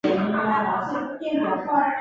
色木槭是无患子科槭属的植物。